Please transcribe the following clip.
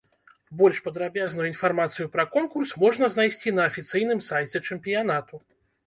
Больш падрабязную інфармацыю пра конкурс можна знайсці на афіцыйным сайце чэмпіянату.